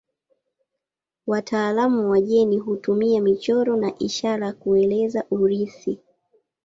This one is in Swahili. Wataalamu wa jeni hutumia michoro na ishara kueleza urithi.